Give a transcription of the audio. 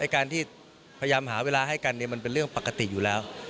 การที่พยายามหาเวลาให้กันมันเป็นเรื่องปกติอยู่แล้ว